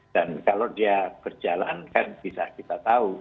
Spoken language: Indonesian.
kalau dia berjalan kan bisa kita tahu